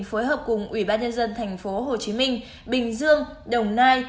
phối hợp cùng ủy ban nhân dân thành phố hồ chí minh bình dương đồng nai